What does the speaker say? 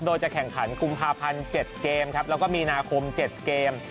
โดยจะแข่งขันกุมภาพันธ์๗เกมครับแล้วก็มีนาคม๗เกม